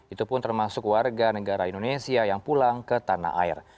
itu pun termasuk warga negara indonesia yang pulang ke tanah air